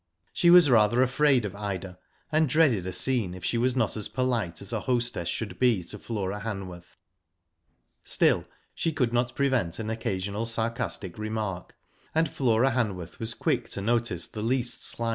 She was rather afraid of Ida, and dreaded a scene if she was not as polite as a hostess should be to Flora Hanworth. Still she could not prevent an occasional sarcastic remark, and Flora Hanworth was quick to notice the least slight.